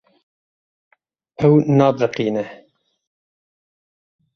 Ew nabiriqîne.